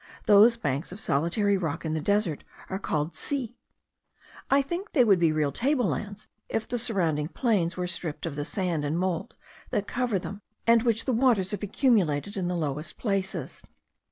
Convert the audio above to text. Those banks of solitary rock in the desert are called tsy. I think they would be real table lands, if the surrounding plains were stripped of the sand and mould that cover them, and which the waters have accumulated in the lowest places.